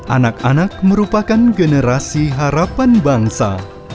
anak anak merupakan generasi harapan bangsa